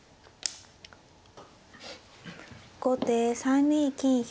後手３二金引。